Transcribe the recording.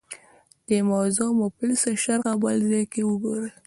دې موضوع مفصله شرحه بل ځای کې وګورو